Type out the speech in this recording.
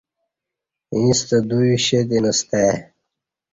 ییݩستہ دوئی شیتینستہ آئی۔